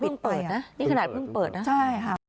นี่ขนาดเพิ่งเปิดนะ